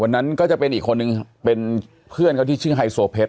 นั้นก็จะเป็นอีกคนนึงเป็นเพื่อนเขาที่ชื่อไฮโซเพชร